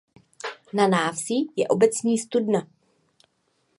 Na návsi je obecní studna.